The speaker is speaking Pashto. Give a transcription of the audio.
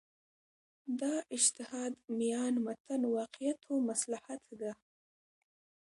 دا اجتهاد میان متن واقعیت و مصلحت ده.